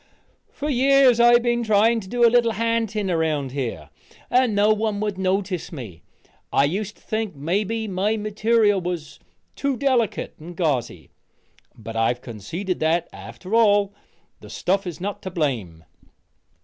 "For years I've been trying to do a little ha'nting around here, and no one would notice me. I used to think mebbe my material was too delicate and gauzy, but I've conceded that, after all, the stuff is not to blame."